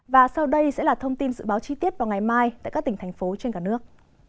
và sau đây sẽ là thông tin dự báo chi tiết vào ngày mai tại các tỉnh thành phố trên cả nước